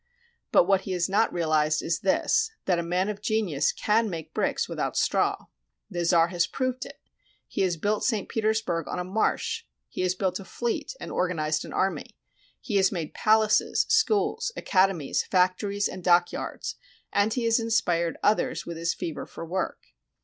But what he has not realized is this, that a man of genius can make bricks without straw. The czar has proved it. He has built St. Petersburg on a marsh. He has built a fleet and organized an army. He has made palaces, schools, academies, factories, and dock yards, and he has inspired others with his fever for work.